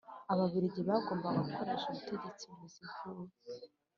ababiligi bagombaga gukoresha ubutegetsi buziguye